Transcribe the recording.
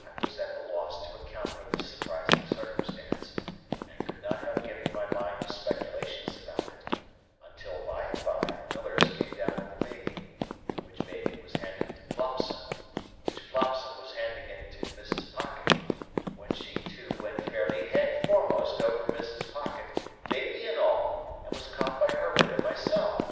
I was at a loss to account for this surprising circumstance, and could not help giving my mind to speculations about it, until by and by Millers came down with the baby, which baby was handed to Flopson, which Flopson was handing it to Mrs. Pocket, when she too went fairly head foremost over Mrs. Pocket, baby and all, and was caught by Herbert and myself.